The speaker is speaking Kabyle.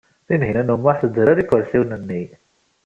Tinhinan u Muḥ tderrer ikersiyen-nni.